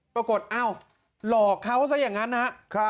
ปรากฏเอ๊าหลอกเขาซะอย่างนั้นนะ